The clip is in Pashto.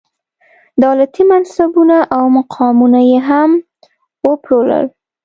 دولتي منصبونه او مقامونه یې هم وپلورل.